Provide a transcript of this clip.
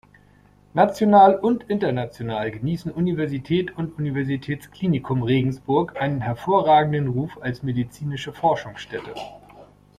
National und international genießen Universität und Universitätsklinikum Regensburg einen hervorragenden Ruf als medizinische Forschungsstätte.